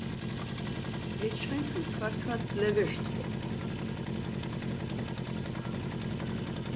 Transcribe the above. ეჩხენჩუ ჩვაჩვადდ ლევეშთხო.